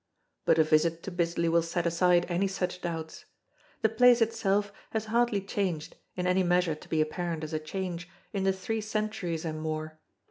But a visit to Bisley will set aside any such doubts. The place itself has hardly changed, in any measure to be apparent as a change, in the three centuries and more.